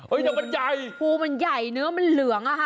เดี๋ยวมันใหญ่ภูมันใหญ่เนื้อมันเหลืองอ่ะค่ะ